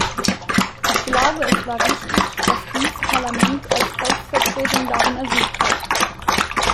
Ich glaube, es war wichtig, dass dies Parlament als Volksvertretung darum ersucht hat.